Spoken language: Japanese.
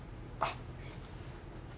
あっ。